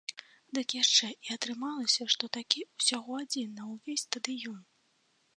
Дык яшчэ і атрымалася, што такі ўсяго адзін на ўвесь стадыён!